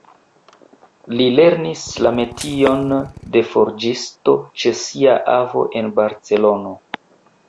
Li lernis la metion de forĝisto ĉe sia avo en Barcelono.